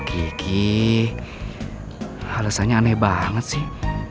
gigi alasannya aneh banget sih